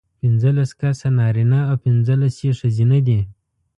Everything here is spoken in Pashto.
پینځلس کسه نارینه او پینځلس یې ښځینه دي.